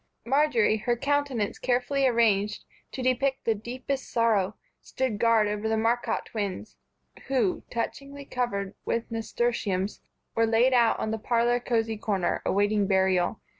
Marjory, her countenance carefully arranged to depict the deepest sorrow, stood guard over the Marcotte twins, who, touchingly covered with nasturtiums, were laid out on the parlor cozy corner, awaiting burial.